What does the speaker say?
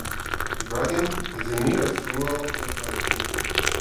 Ibragim is the nearest rural locality.